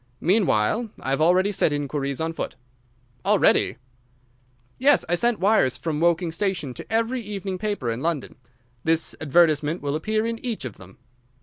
Meanwhile I have already set inquiries on foot." "Already?" "Yes, I sent wires from Woking station to every evening paper in London. This advertisement will appear in each of them."